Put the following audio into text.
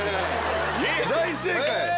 大正解。へ！